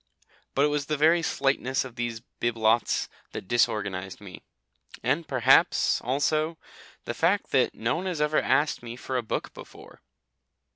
But it was the very slightness of these bibelots that disorganised me. And perhaps, also, the fact that no one has ever asked me for a book before.